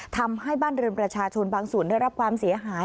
ทำให้บ้านเรือนประชาชนบางส่วนได้รับความเสียหาย